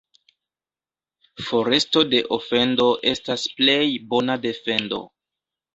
Foresto de ofendo estas plej bona defendo.